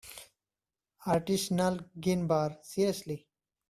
Artisanal gin bar, seriously?!